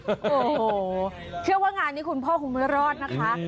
โอ้โหเชื่อว่างานนี้คุณพ่อคงไม่รอดนะคะ